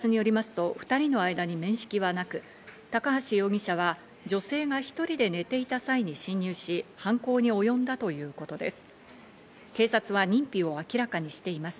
警察によりますと、２人の間に面識はなく、高橋容疑者は女性が１人で寝ていた際に侵入し、犯行におよんだということです。